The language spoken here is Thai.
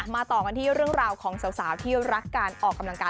ต่อกันที่เรื่องราวของสาวที่รักการออกกำลังกาย